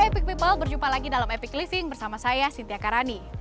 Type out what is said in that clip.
hai epic people berjumpa lagi dalam epic living bersama saya sintia karani